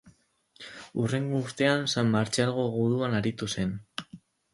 Hurrengo urtean San Martzialgo guduan aritu zen.